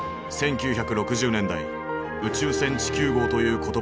１９６０年代「宇宙船地球号」という言葉を唱え